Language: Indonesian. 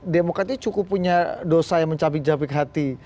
demokrati cukup punya dosa yang mencapik capik hati